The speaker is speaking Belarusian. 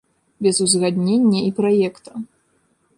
Без узгаднення і праекта.